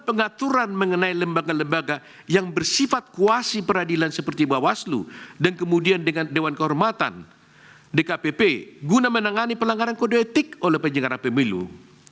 dengan kekuasaan yang berkaitan dengan perselisihan yang berkaitan dengan pemilihan umum dan kemudian dengan perselisihan yang berkaitan dengan perselisihan yang berkaitan dengan pemilih